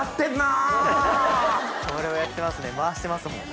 これはやってますね回してますもん。